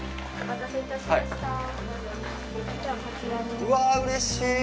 うわ、うれしい！